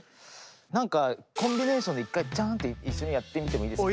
なんかコンビネーションで一回ジャンって一緒にやってみてもいいですか？